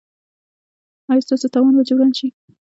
ایا ستاسو تاوان به جبران شي؟